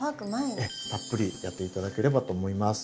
たっぷりやって頂ければと思います。